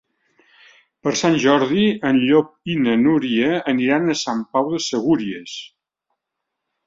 Per Sant Jordi en Llop i na Núria aniran a Sant Pau de Segúries.